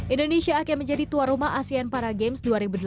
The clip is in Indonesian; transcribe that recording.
indonesia akan menjadi tuan rumah asean para games dua ribu delapan belas